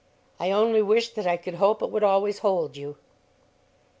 I only wish that I could hope it would always hold you."